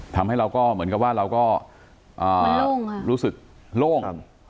ทำให้เราก็เหมือนกับว่าเราก็รู้สึกโล่ง